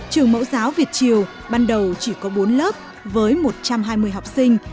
trường mẫu giáo việt triều ban đầu chỉ có bốn lớp với một trăm hai mươi học sinh